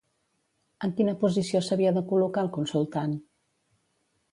En quina posició s'havia de col·locar el consultant?